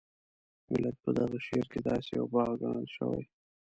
ملت په دغه شعر کې داسې یو باغ ګڼل شوی.